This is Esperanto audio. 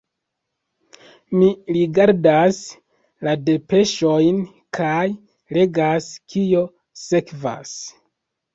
Mi rigardas la depeŝojn kaj legas, kio sekvas.